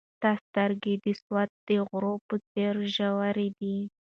ستا سترګې د سوات د غرو په څېر ژورې دي.